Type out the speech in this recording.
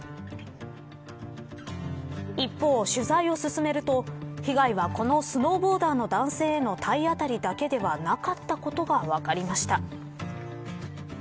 一方、取材を進めると被害はこのスノーボーダーの男性への体当たりだけではなかったことが分かりました。